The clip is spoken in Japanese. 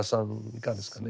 いかがですかね。